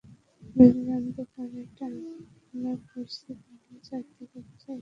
যদি জানতে পারে এটা আমরা করেছি তাহলে চারিদিকে প্রচার হয়ে যাবে।